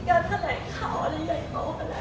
อยากได้ยินคำว่าขอโทษขอบคุณค่ะ